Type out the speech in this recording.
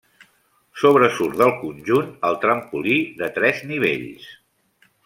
Sobresurt del conjunt el trampolí de tres nivells.